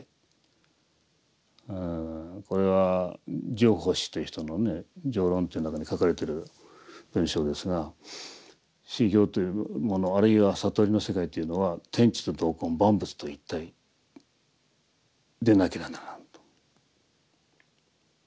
これは肇法師という人のね「肇論」っていう中に書かれてる文章ですが修行というものあるいは悟りの世界というのは天地と同根万物と一体でなけりゃならんと。